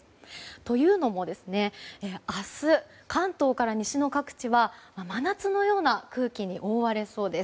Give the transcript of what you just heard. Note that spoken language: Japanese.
というのも、明日関東から西の各地は真夏のような空気に覆われそうです。